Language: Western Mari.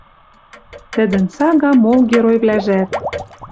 Тӹдӹн сага мол геройвлӓжӓт